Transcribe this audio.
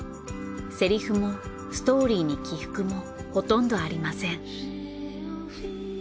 セリフもストーリーに起伏もほとんどありません。